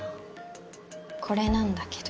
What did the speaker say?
これなんだけど。